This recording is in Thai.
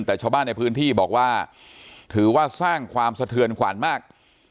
แต่ชาวบ้านในพื้นที่บอกว่าถือว่าสร้างความสะเทือนขวานมาก